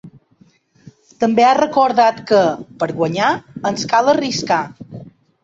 També ha recordat que ‘per guanyar ens cal arriscar’.